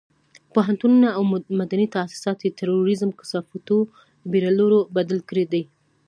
پوهنتونونه او مدني تاسيسات یې د تروريزم کثافاتو بيولرونو بدل کړي دي.